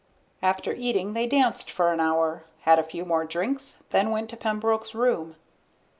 After eating they danced for an hour, had a few more drinks, then went to Pembroke's room.